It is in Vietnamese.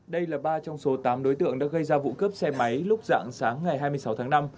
đây là ba trong số tám đối tượng đã gây ra vụ cướp xe máy lúc dạng sáng ngày hai mươi sáu tháng năm